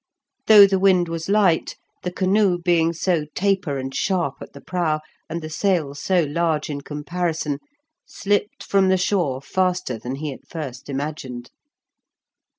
Though the wind was light, the canoe being so taper and sharp at the prow, and the sail so large in comparison, slipped from the shore faster than he at first imagined.